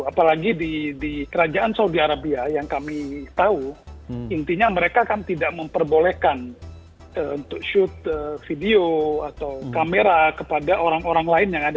apalagi di kerajaan saudi arabia yang kami tahu intinya mereka kan tidak memperbolehkan untuk shoot video atau kamera kepada orang orang lain yang ada